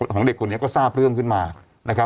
ของเด็กคนนี้ก็ทราบเรื่องขึ้นมานะครับ